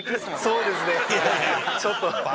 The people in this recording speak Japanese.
そうですねちょっと。